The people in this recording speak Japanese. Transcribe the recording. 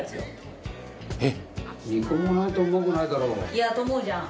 いやと思うじゃん？